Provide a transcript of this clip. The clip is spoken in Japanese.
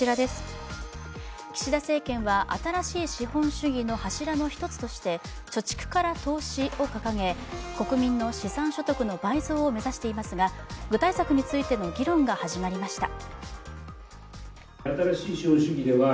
岸田政権は新しい資本主義の柱の１つとして貯蓄から投資を掲げ国民の資産所得の倍増を目指していますが、具体策についての議論が始まりました。